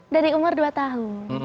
dari umur dua tahun